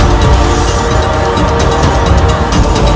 untuk kembang di qatar